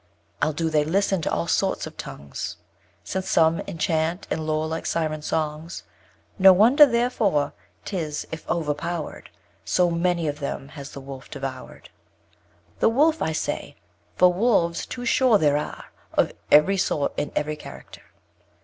Ill do they listen to all sorts of tongues, Since some inchant and lure like Syrens' songs. No wonder therefore 'tis, if over power'd, So many of them has the Wolf devour'd. The Wolf, I say, for Wolves too sure there are Of every sort, and every character.